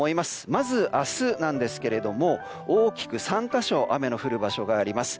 まず明日ですけれども大きく３か所雨の降る場所があります。